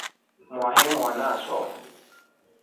Mwahe mwanaso.